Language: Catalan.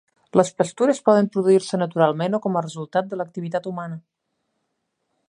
Les pastures poden produir-se naturalment o com a resultat de l'activitat humana.